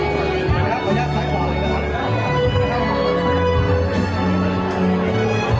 สวัสดีสวัสดี